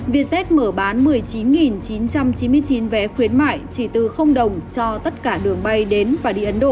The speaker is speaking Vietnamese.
vietjet mở bán một mươi chín chín trăm chín mươi chín vé khuyến mại chỉ từ đồng cho tất cả đường bay đến và đi ấn độ